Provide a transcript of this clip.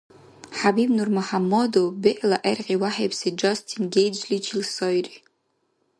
ХӀябиб НурмяхӀяммадов бегӀла гӀергъи вяхӀибси Джастин Гейджиличил сайри.